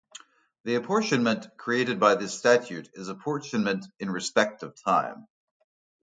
The apportionment created by this statute is apportionment in respect of time.